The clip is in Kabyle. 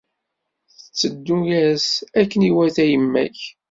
Tteddu-as akken iwata i yemma-k.